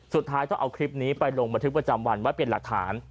สุดท้ายต้องเอาคลิปนี้ไปลงบันทึกประจำวันไว้เป็นหลักฐาน